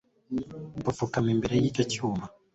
bapfukama imbere y'icyo cyuma